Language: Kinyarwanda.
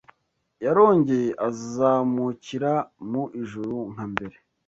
yarongeye azamukira mu ijuru nka mbere